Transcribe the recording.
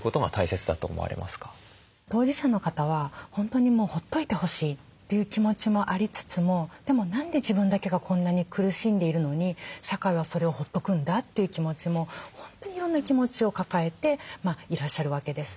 当事者の方は本当にほっといてほしいという気持ちもありつつもでも何で自分だけがこんなに苦しんでいるのに社会はそれをほっとくんだという気持ちも本当にいろんな気持ちを抱えていらっしゃるわけです。